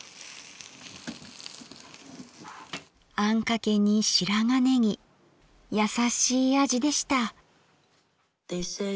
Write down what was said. あんかけに白髪ねぎ優しい味でした。